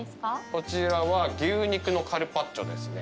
こちらは牛肉のカルパッチョですね。